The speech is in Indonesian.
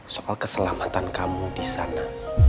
soal keselamatan kamu di sana